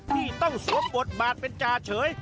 ที่ต้องสวมบทบาทเป็นจ่าเฉย